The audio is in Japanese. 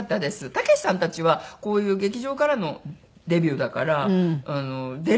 たけしさんたちはこういう劇場からのデビューだから出れるんですよね。